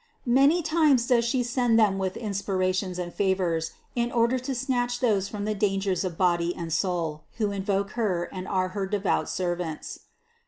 Many times does She send them with inspirations and favors in order to snatch those from the dangers of body and soul, who invoke Her and are her devout servants.